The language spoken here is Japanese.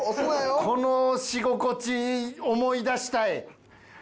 この押し心地思い出したい。